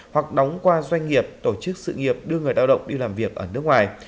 hoặc đóng qua doanh nghiệp tổ chức sự nghiệp đưa người lao động đi làm việc ở nước ngoài